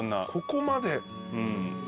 ここまで。